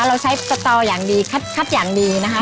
เราใช้สตออย่างดีคัดอย่างดีนะคะ